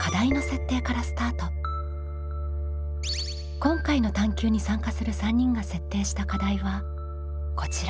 今回の探究に参加する３人が設定した課題はこちら。